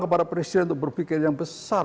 kepada presiden untuk berpikir yang besar